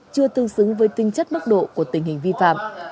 chưa tương xứng với tinh chất mức độ của tình hình vi phạm